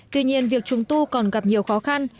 tuy nhiên việc trùng tu còn gặp nhiều khó khăn